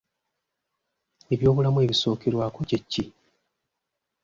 Eby'obulamu ebisookerwako kye ki?